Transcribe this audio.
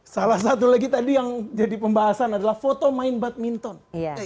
salah satu lagi tadi yang jadi pembahasan adalah foto main badminton